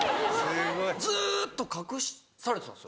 ずっと隠されてたんですか？